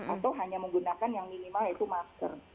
atau hanya menggunakan yang minimal yaitu masker